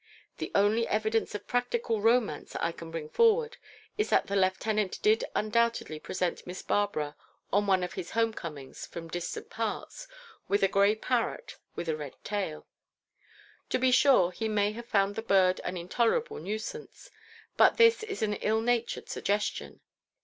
The only evidence of practical romance I can bring forward, is that the lieutenant did undoubtedly present Miss Barbara on one of his home comings from distant parts with a grey parrot with a red tail. To be sure, he may have found the bird an intolerable nuisance; but this is an ill natured suggestion.